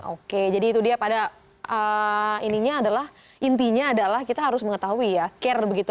oke jadi itu dia pada intinya adalah kita harus mengetahui ya care begitu